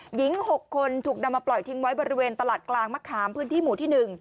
หญิง๖คนถูกนำมาปล่อยทิ้งไว้บริเวณตลาดกลางมะขามพื้นที่หมู่ที่๑